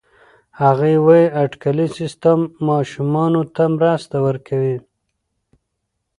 هغې وايي اټکلي سیستم ماشومانو ته مرسته ورکوي.